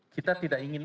kita tidak ingin